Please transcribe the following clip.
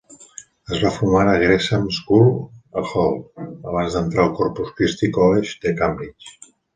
Es va formar a la Gresham's School, a Holt, abans d'entrar al Corpus Christi College de Cambridge.